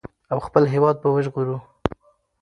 او خپل هېواد به وژغورو.